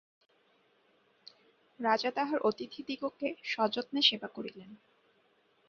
রাজা তাঁহার অতিথিদিগকে সযত্নে সেবা করিলেন।